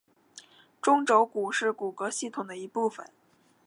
中轴骨是骨骼系统的一部分。